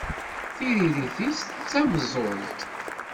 Tiririt-is d tameẓẓult.